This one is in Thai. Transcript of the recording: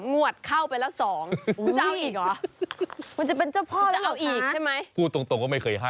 คุณจะเอาอีกหรือคุณจะเอาอีกใช่ไหมพูดตรงก็ไม่เคยให้